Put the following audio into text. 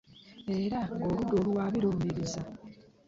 Era nga oludda oluwaabi lulumiriza